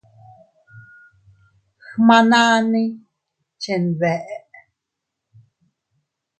Gmananni chenbeʼe.